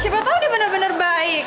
siapa tau dia bener bener baik